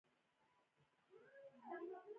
جواهرات د افغانستان د جغرافیوي تنوع مثال دی.